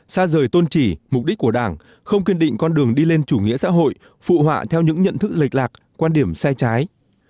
xa rời tôn trị mục đích của đảng không kiên định con đường đi lên chủ nghĩa xã hội phụ họa theo những nhận thức lệch lạc quan điểm sai trái